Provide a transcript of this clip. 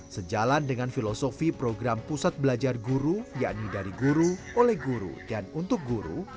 sejalan dengan filosofi program pusat belajar guru yakni dari guru oleh guru dan untuk guru